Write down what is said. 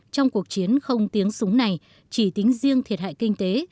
trong cuộc chiến không tiếng súng này chỉ tính riêng thiệt hại kinh tế